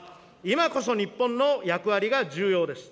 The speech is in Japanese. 今こそ日本の役割が重要です。